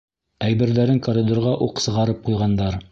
Әйберҙәрен коридорға уҡ сығарып ҡуйғандар.